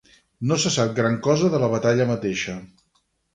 No se sap gran cosa de la batalla mateixa.